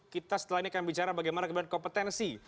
kita setelah ini akan bicara bagaimana kemudian kompetensi